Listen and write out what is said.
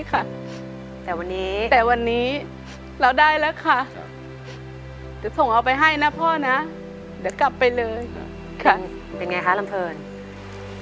ค่ะเป็นไงคะลำเผิญ